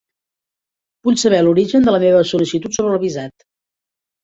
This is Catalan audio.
Vull saber l'origen de la meva sol·licitut sobre el visat.